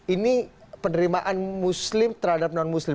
ini penerimaan muslim terhadap non muslim